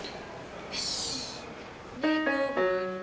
よし。